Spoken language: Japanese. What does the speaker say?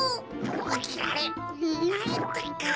おきられないってか。